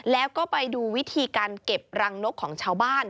แล้วก็ไปดูวิธีการเก็บรังนกของชาวบ้าน